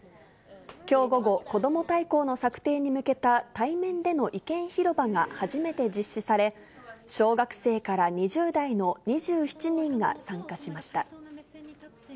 きょう午後、こども大綱の策定に向けた対面でのいけんひろばが初めて実施され、小学生から２０代の２７人が参加しました。